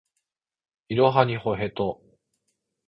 いろはにほへと